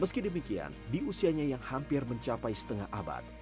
meski demikian di usianya yang hampir mencapai setengah abad